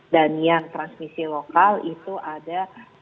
dan yang transmisi lokal itu ada dua ratus lima puluh tujuh